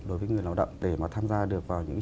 đối với người lao động để mà tham gia được vào những